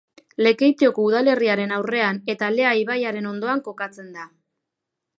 Lekeitioko udalerriaren aurrean eta Lea ibaiaren ondoan kokatzen da.